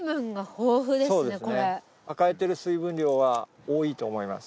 そうですね抱えてる水分量は多いと思います。